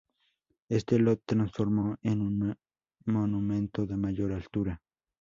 Este lo transformó en un monumento de mayor altura.